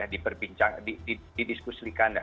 diperbincang didiskusikan ya